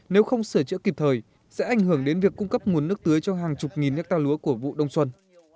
nếu không sửa chữa kịp thời sẽ ảnh hưởng đến việc cung cấp nguồn nước tưới cho hàng chục nghìn hectare lúa của vụ đông xuân